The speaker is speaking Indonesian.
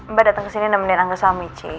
mbak datang kesini nemenin angga salmici